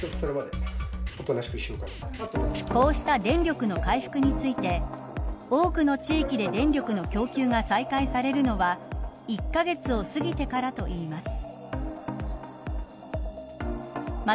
こうした電力の回復について多くの地域で電力の供給が再開されるのは１カ月を過ぎてからといいます。